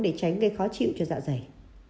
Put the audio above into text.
để tránh gây khó chịu cho dạo dày